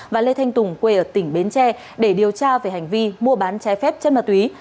và lê thanh tùng quê ở tỉnh bến tre để điều tra về hành vi mua bán trái phép chất ma túy